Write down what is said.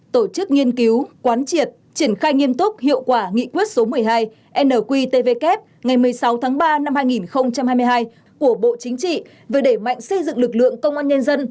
trong thời gian qua năm hai nghìn hai mươi hai của bộ chính trị về để mạnh xây dựng lực lượng công an nhân dân